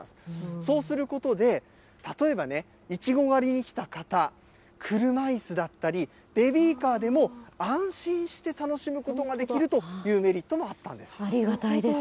そうすることで、例えばイチゴ狩りに来た方、車いすだったりベビーカーでも、安心して楽しむことができるというメリットもあったありがたいです。